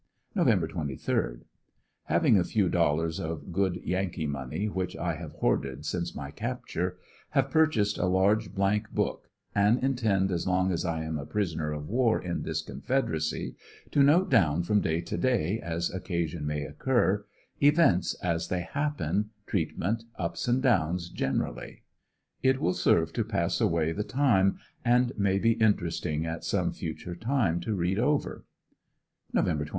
Nov 23. — Having a few dollars of good yankee money which I have hoarded since my capture, have purchased a large blank book and intend as long as I am a prisoner of war in this confederacy, to note down from day to day as occasion may occur, events as they happen, treatment, ups and downs generally. It will serve to pass away the time and may be interesting at some future time to read over Nov. 24.